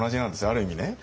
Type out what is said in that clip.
ある意味ね。